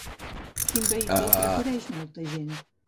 Quin vehicle prefereix molta gent?